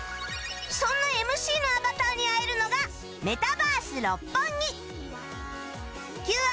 そんな ＭＣ のアバターに会えるのがメタバース六本木